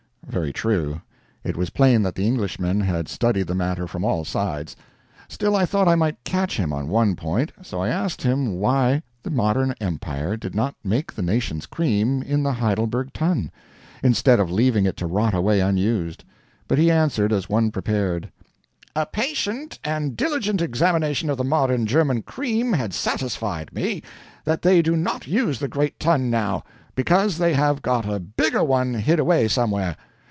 Very true. It was plain that the Englishman had studied the matter from all sides. Still I thought I might catch him on one point; so I asked him why the modern empire did not make the nation's cream in the Heidelberg Tun, instead of leaving it to rot away unused. But he answered as one prepared "A patient and diligent examination of the modern German cream had satisfied me that they do not use the Great Tun now, because they have got a BIGGER one hid away somewhere.